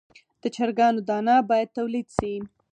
د چرګانو دانه باید تولید شي.